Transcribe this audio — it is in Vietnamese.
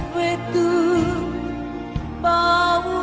về từ bao giờ